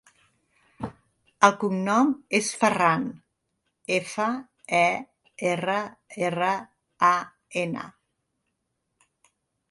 El cognom és Ferran: efa, e, erra, erra, a, ena.